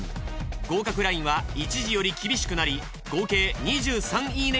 合格ラインは一次より厳しくなり合計「２３いいね！」